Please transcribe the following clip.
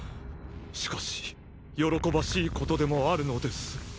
しかし喜ばしいことでもあるのです。